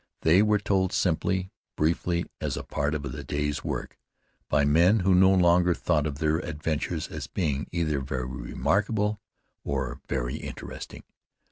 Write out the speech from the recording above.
They were told simply, briefly, as a part of the day's work, by men who no longer thought of their adventures as being either very remarkable or very interesting.